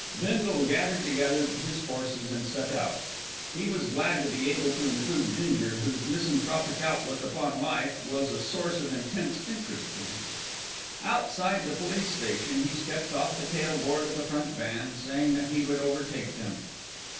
Bindle gathered together his forces and set out. He was glad to be able to include Ginger, whose misanthropic outlook upon life was a source of intense interest to him. Outside the police station he stepped off the tail board of the front van, saying that he would overtake them.